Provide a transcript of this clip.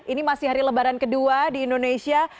ini masih hari lebaran kedua di indonesia